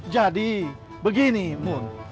jadi begini mun